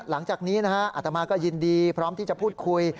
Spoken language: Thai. หลังจากนี้นะฮะอัตมาก็ยินดีพร้อมที่จะพูดคุย